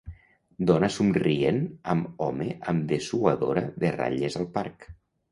Dona somrient amb home amb dessuadora de ratlles al parc.